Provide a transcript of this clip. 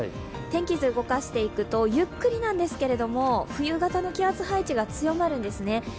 天気図を動かしていくとゆっくりなんですけど、冬型の気圧配置が強まるんですね。